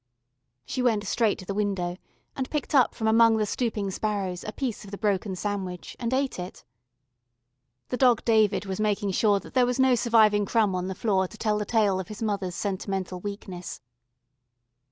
She went straight to the window and picked up from among the stooping sparrows a piece of the broken sandwich, and ate it. The Dog David was making sure that there was no surviving crumb on the floor to tell the tale of his mother's sentimental weakness.